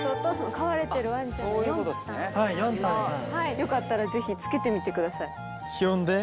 よかったらぜひ着けてみてください。